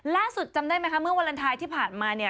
ล่าสุดจำได้ไหมคะเมื่อวัลนทายที่ผ่านมาเนี่ย